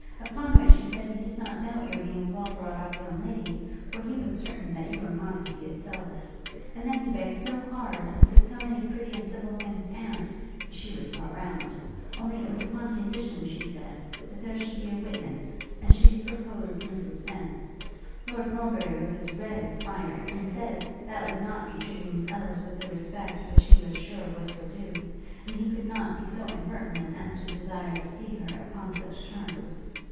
Upon which he said he did not doubt your being a well brought up young lady, for he was certain that you were modesty itself. And then he begged so hard, and said so many pretty and civil things to Aunt, that she was brought round; only it was upon condition, she said, that there should be a witness; and she proposed Mrs Fenn. Lord Melbury was as red as fire, and said that would not be treating Miss Ellis with the respect which he was sure was her due; and he could not be so impertinent as to desire to see her, upon such terms.